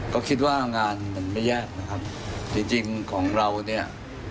ก็คิดว่างานมันไม่ยากนะครับจริงจริงของเราเนี่ย